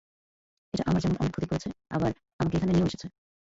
এটা আমার যেমন অনেক ক্ষতি করেছে, আবার আমাকে এখানে নিয়েও এসেছে।